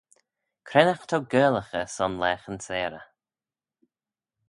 Cre'n aght t'ou gaarlaghey son laghyn-seyrey?